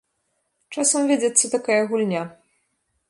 Часам вядзецца такая гульня.